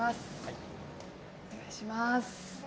お願いします。